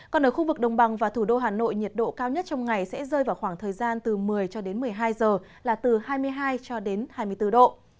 còn ở khu vực đồng bằng và thủ đô hà nội nhiệt độ cao nhất trong ngày sẽ rơi vào khoảng thời gian từ một mươi cho đến một mươi hai giờ là từ hai mươi hai cho đến hai mươi bốn độ